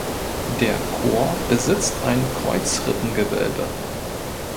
Der Chor besitzt ein Kreuzrippengewölbe.